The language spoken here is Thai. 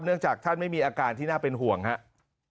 จากท่านไม่มีอาการที่น่าเป็นห่วงครับ